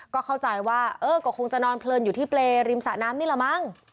ก็เข้าใจว่าเออก็คงจะนอนเพลินอยู่ที่เปรย์ริมสะน้ำนี่แหละมั้ง